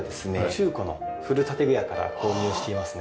中古の古建具屋から購入していますね。